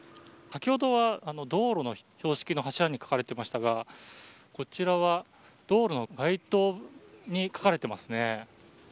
先ほどは、道路の標識の柱に書かれてましたがこちらは道路の街灯に書かれていますね。